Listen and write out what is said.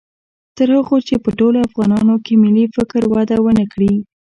تر هغو چې په ټولو افغانانو کې ملي فکر وده و نه کړي